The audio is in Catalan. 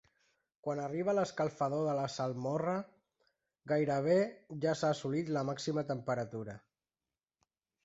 Quan arriba a l'escalfador de salmorra, gairebé ja ha assolit la màxima temperatura.